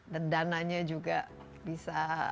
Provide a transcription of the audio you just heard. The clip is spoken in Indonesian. dan dananya juga bisa